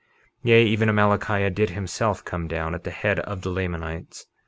51:12 Yea, even Amalickiah did himself come down, at the head of the Lamanites.